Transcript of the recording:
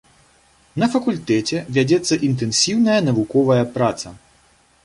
На факультэце вядзецца інтэнсіўная навуковая праца.